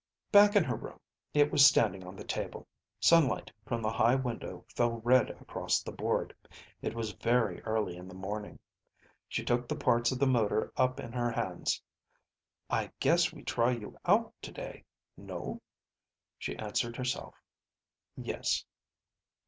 Back in her room, it was standing on the table. Sunlight from the high window fell red across the board. It was very early in the morning. She took the parts of the motor up in her hands. "I guess we try you out today? No?" She answered herself, "Yes."